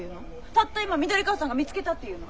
たった今緑川さんが見つけたっていうの？